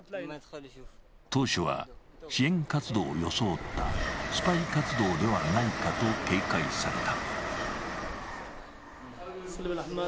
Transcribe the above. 当初は支援活動を装ったスパイ活動ではないかと警戒された。